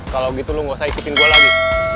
kalau gitu lo gak usah isipin gue lagi